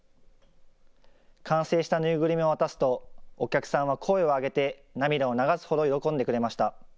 完成した縫いぐるみを渡すとお客さんは声を上げて涙を流すほど喜んでくれました。